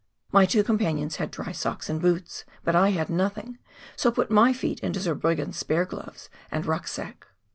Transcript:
My two companions had dry socks and boots, but I had nothing, so put my feet into Zurbriggen's spare gloves and riick sack.